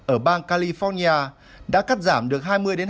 ở bang california đã cắt giảm được hai mươi hai mươi